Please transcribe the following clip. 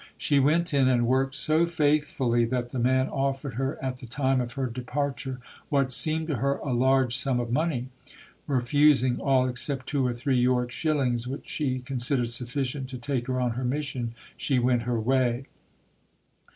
She went in and worked so faithfully that the man offered her at the time of her departure what seemed to her a large sum of money. Refusing all 222 ] UNSUNG HEROES except two or three York shillings which she con sidered sufficient to take her on her mission, she went her way.